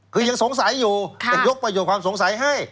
คือยังสงสัยอยู่แต่ยกประโยชน์ความสงสัยให้